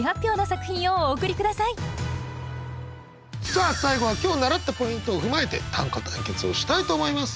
さあ最後は今日習ったポイントを踏まえて短歌対決をしたいと思います。